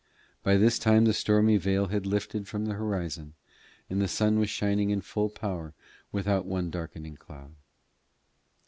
By this time the stormy veil had lifted from the horizon, and the sun was shining in full power without one darkening cloud.